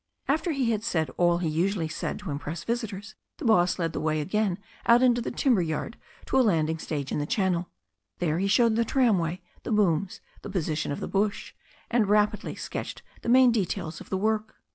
After he had said all he usually said to impress visitors, the boss led the way again out into the timber yard, to a landing stage in the channel. There he showed the tramway, the booms, the position of the bush, and rapidly sketched the main details of the work.